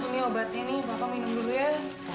ini obat ini bapak minum dulu ya